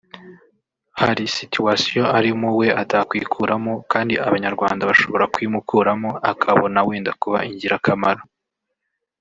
hari situation arimo we atakwikuramo kandi Abanyarwanda bashobora kuyimukuramo akabona wenda kuba ingirakamaro